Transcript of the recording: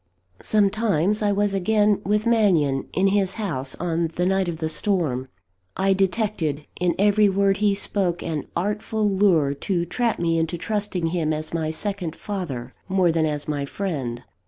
Sometimes, I was again with Mannion, in his house, on the night of the storm. I detected in every word he spoke an artful lure to trap me into trusting him as my second father, more than as my friend.